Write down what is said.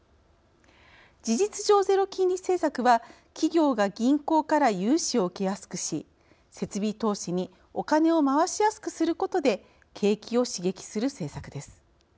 事実上ゼロ金利政策は企業が銀行から融資を受けやすくし設備投資に、おカネを回しやすくすることで景気を刺激する政策です。